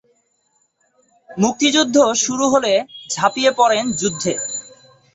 মুক্তিযুদ্ধ শুরু হলে ঝাঁপিয়ে পড়েন যুদ্ধে।